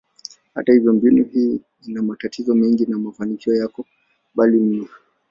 Hata hivyo, mbinu hii ina matatizo mengi na mafanikio yako mbali mno.